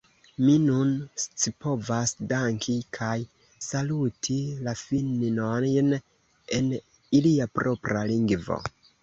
Mi nun scipovas danki kaj saluti la finnojn en ilia propra lingvo.